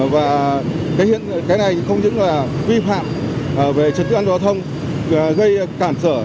và cái này không những là vi phạm về trực tiếp an toàn thông gây cản sở